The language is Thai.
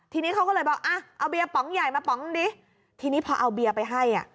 ทีนี้เขาก็เลยบอกอ่ะเอาเบียร์ป๋องใหญ่มาป๋องดิทีนี้พอเอาเบียร์ไปให้อ่ะ